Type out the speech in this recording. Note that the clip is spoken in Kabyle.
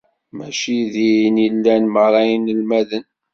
Mačči din i llan merra yinelmaden.